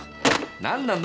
何なんだ